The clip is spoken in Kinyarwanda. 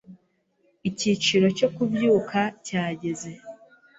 icyiciro cyo kubyuka cya geze